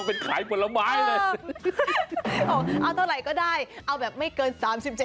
เอาเท่าไหร่ก็ได้เอาแบบไม่เกิน๓๗๕ข้อ